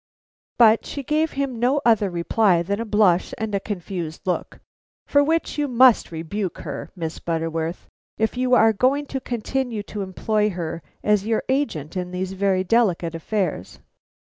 But she gave him no other reply than a blush and a confused look, for which you must rebuke her, Miss Butterworth, if you are going to continue to employ her as your agent in these very delicate affairs.